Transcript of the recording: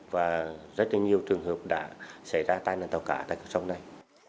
và rất nhiều trường hợp đã xảy ra tai nạn tàu cá tại cửa sông này